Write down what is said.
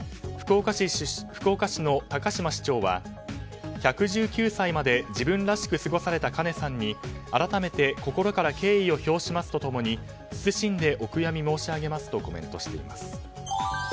福岡市の高島市長は１１９歳まで自分らしく過ごされたカ子さんに改めて心から敬意を表しますと共に謹んでお悔やみ申し上げますとコメントしています。